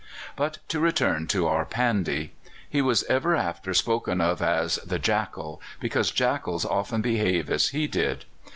But to return to our Pandy. He was ever after spoken of as "the Jackal," because jackals often behave as he did.